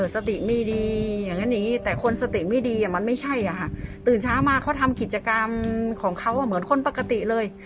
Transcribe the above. สติมีดีอย่างเงี้ยนี้แต่คนสติมีดีอ่ะมันไม่ใช่อ่ะฮะตื่นเช้ามาเขาทำกิจกรรมของเขาอ่ะเหมือนคนปกติเลย